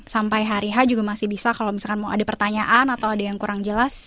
sampai hari h juga masih bisa kalau misalkan mau ada pertanyaan atau ada yang kurang jelas